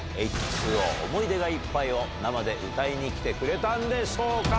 Ｈ２Ｏ、想い出がいっぱいを生で歌いに来てくれたんでしょうか。